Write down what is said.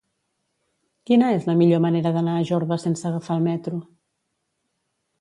Quina és la millor manera d'anar a Jorba sense agafar el metro?